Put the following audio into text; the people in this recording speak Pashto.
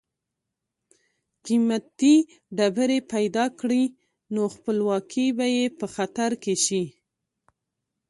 قیمتي ډبرې پیدا کړي نو خپلواکي به یې په خطر کې شي.